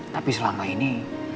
tapi selama ini